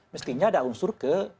mestinya ada unsur ke